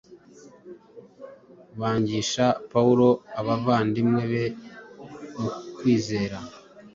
bangisha Pawulo abavandimwe be mu kwizera